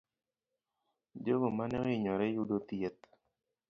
Jogo mane oinyore yudo thieth.